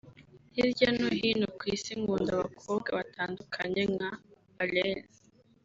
Hirya no hino ku isi nkunda abakobwa batandukanye nka Alaine